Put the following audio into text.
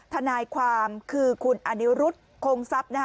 ทนายความคือคุณอนิรุธโคงทรัพย์